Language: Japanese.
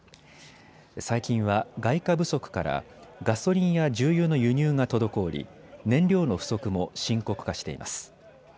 最近は外貨不足からガソリンや重油の輸入が滞り燃料の不足も深刻化しています。